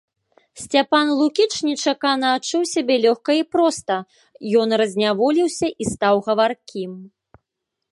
Сцяпан Лукіч нечакана адчуў сябе лёгка і проста, ён разняволіўся і стаў гаваркім.